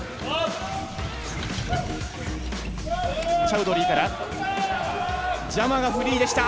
チャウドリーからジャマがフリーでした。